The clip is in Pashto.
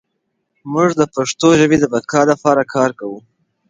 موږ د پښتو ژبې د بقا لپاره کار کوو.